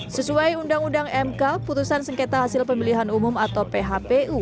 sesuai undang undang mk putusan sengketa hasil pemilihan umum atau phpu